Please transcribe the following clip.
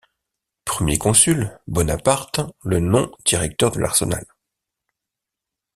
Premier consul, Bonaparte le nom directeur de l'Arsenal.